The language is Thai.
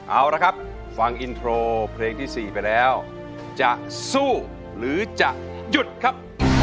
เอาละครับฟังอินโทรเพลงที่๔ไปแล้วจะสู้หรือจะหยุดครับ